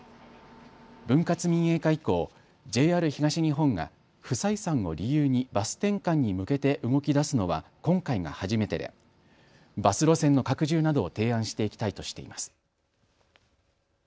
分割民営化以降、ＪＲ東日本が不採算を理由にバス転換に向けて動きだすのは今回が初めてでバス路線の拡充などを提案していきたいとしています。